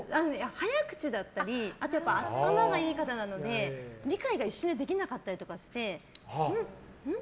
早口だったり頭がいい方なので理解が一緒にできなかったりしてうん？